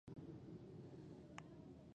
سبا به له خیره پیدوزي غږ در باندې وکړي.